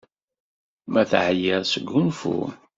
Ma teεyiḍ, sgunfu!